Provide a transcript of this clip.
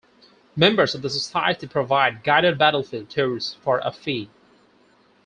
Members of the Society provide guided battlefield tours for a fee.